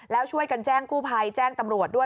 แล้วช่วยกันแจ้งกู้ภัยแจ้งตำรวจด้วย